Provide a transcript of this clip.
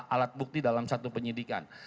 alat bukti dalam satu penyidikan